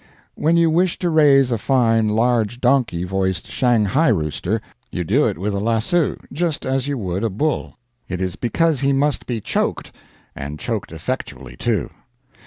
] When you wish to raise a fine, large, donkey voiced Shanghai rooster, you do it with a lasso, just as you would a bull. It is because he must be choked, and choked effectually, too.